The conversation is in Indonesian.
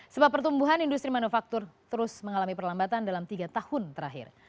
sebab pertumbuhan industri manufaktur terus mengalami perlambatan dalam tiga tahun terakhir